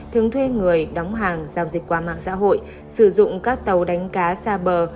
thường thuê người đóng hàng giao dịch qua mạng xã hội sử dụng các tàu đánh cá xa bờ